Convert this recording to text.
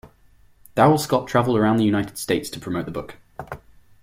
Darrell Scott traveled around the United States to promote the book.